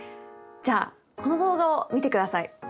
じゃあこの動画を見てください。